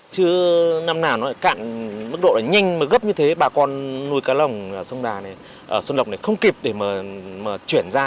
chứ năm nào nó cạn mức độ nhanh mà gấp như thế bà con nuôi cá lồng sông đà này xuân lộc này không kịp để mà chuyển ra